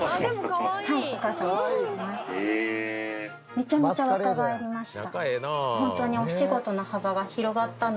めちゃめちゃ若返りました。